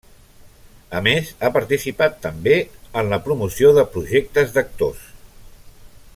A més, ha participat també en la promoció de projectes d'actors.